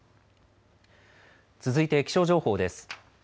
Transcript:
続いて気象情報です。